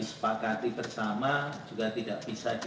saya membutuhkan komitmen